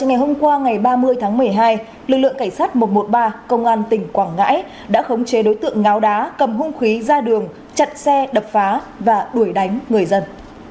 ngày hôm qua ngày ba mươi tháng một mươi hai lực lượng cảnh sát một trăm một mươi ba công an tỉnh quảng ngãi đã khống chế đối tượng ngáo đá cầm hung khí ra đường chặn xe đập phá và đuổi đánh người dân